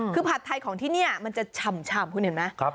คือผัดไทยของที่นี่มันจะฉ่ำคุณเห็นไหม